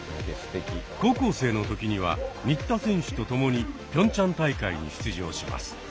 高校生の時には新田選手と共にピョンチャン大会に出場します。